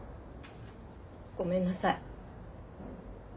ごめんなさい。